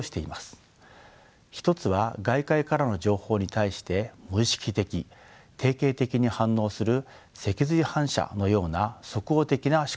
一つは外界からの情報に対して無意識的定型的に反応する脊髄反射のような即応的な思考です。